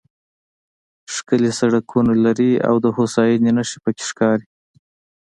ښکلي سړکونه لري او د هوساینې نښې پکې ښکاري.